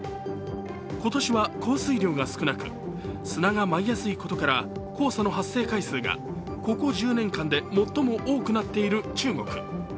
今年は降水量が少なく砂が舞いやすいことから黄砂の発生回数がここ１０年間で最も多くなっている中国。